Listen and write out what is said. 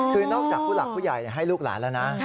คือนอกจากผู้หลักผู้ใหญ่ให้ลูกหลานแล้วนะ